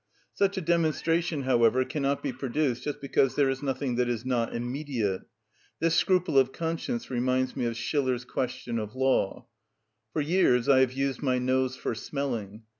Such a demonstration, however, cannot be produced, just because there is nothing that is not immediate. This scruple of conscience reminds me of Schiller's question of law:— "For years I have used my nose for smelling.